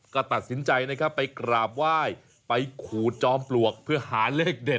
ก็ตัดสินใจนะครับไปกราบไหว้ไปขูดจอมปลวกเพื่อหาเลขเด็ด